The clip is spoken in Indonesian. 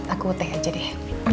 aku teh aja deh